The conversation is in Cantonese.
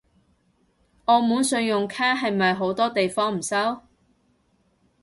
澳門信用卡係咪好多地方唔收？